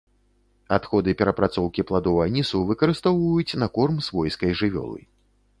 Адходы перапрацоўкі пладоў анісу выкарыстоўваюць на корм свойскай жывёлы.